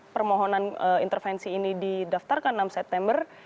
permohonan intervensi ini didaftarkan enam september